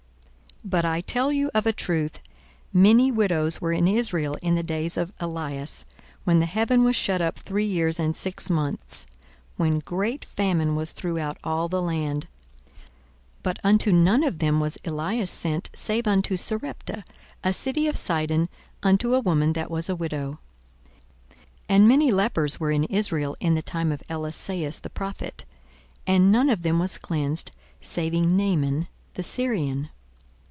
42:004:025 But I tell you of a truth, many widows were in Israel in the days of Elias, when the heaven was shut up three years and six months, when great famine was throughout all the land; 42:004:026 But unto none of them was Elias sent, save unto Sarepta, a city of Sidon, unto a woman that was a widow. 42:004:027 And many lepers were in Israel in the time of Eliseus the prophet; and none of them was cleansed, saving Naaman the Syrian.